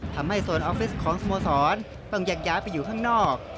ทำให้โซนออฟฟิศของสมวสรต้องยากย้ายไปอยู่ข้างนอก